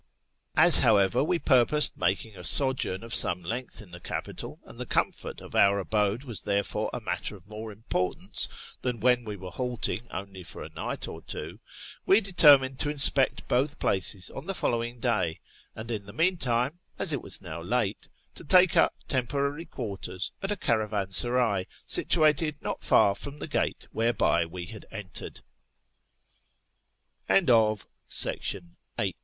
As, however, we purposed making a sojourn of some length in the capital, and the comfort of our abode was therefore a matter of more importance than when we were halting only for a niglit or two, we determined to inspect both places on the following day, and in the meantime, as it was now late, to take up temporary quarters at a caravansaray situated not far from